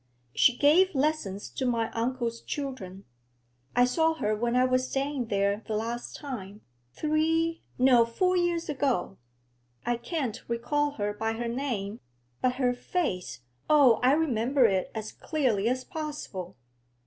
She gave lessons to my uncle's children. I saw her when I was staying there the last time, three no, four years ago. I can't recall her by her name, but her face, oh, I remember it as clearly as possible.'